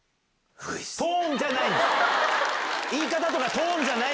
トーンじゃない。